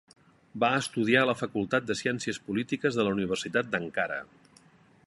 Va estudiar a la facultat de ciències polítiques de la Universitat d'Ankara.